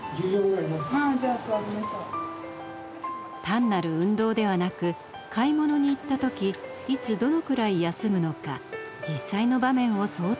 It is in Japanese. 単なる運動ではなく買い物に行った時いつどのくらい休むのか実際の場面を想定したリハビリです。